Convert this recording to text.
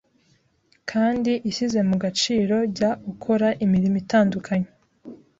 kandi ishyize mu gaciro Jya ukora imirimo itandukanye.